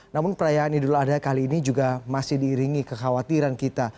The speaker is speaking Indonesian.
namun perayaan idul adha kali ini juga masih diiringi kekhawatiran kita